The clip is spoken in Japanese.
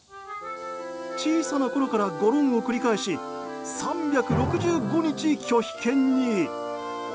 小さなころからごろんを繰り返し３６５日、拒否犬に。